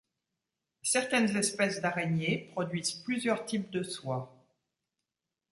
Certaines espèces d'araignées produisent plusieurs types de soie.